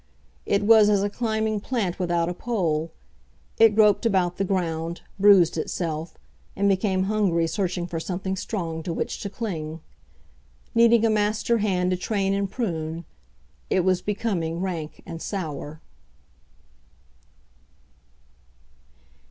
It was as a climbing plant without a pole it groped about the ground, bruised itself, and became hungry searching for something strong to which to cling. Needing a master hand to train and prune, it was becoming rank and sour.